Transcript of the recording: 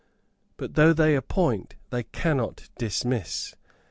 But though they appoint, they cannot dismiss.